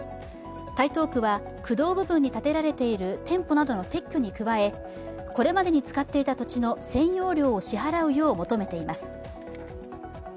台東区は区道部分に建てられている店舗などの撤去に加え、これまでに使っていた土地の、占領料を払うよう求めています。